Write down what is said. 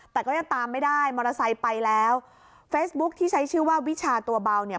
แต่ก็ยังตามไม่ได้มอเตอร์ไซค์ไปแล้วเฟซบุ๊คที่ใช้ชื่อว่าวิชาตัวเบาเนี่ย